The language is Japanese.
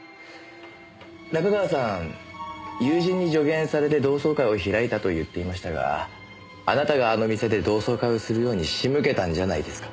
仲川さん友人に助言されて同窓会を開いたと言っていましたがあなたがあの店で同窓会をするように仕向けたんじゃないですか？